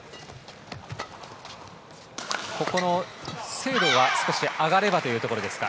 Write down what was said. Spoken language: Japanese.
精度が少し上がればというところですか。